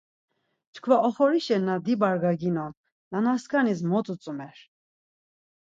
Çkva oxorişa na dibargaginon nanaskanis mo utzumer.